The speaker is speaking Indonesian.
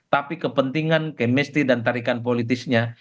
tapi kepentingan kemesti dan tarikan politisnya